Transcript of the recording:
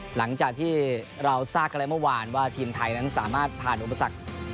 หลังจากที่เราทราบกันแล้วเมื่อวานว่าทีมไทยนั้นสามารถผ่านอุปสรรค